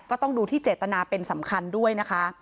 ก็ต้องดูที่เจตนาเป็นสำคัญด้วยนะคะ